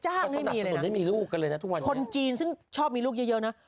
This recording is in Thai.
เขาสนับสนุนให้มีลูกกันเลยนะทุกวันคนจีนซึ่งชอบมีลูกเยอะนะ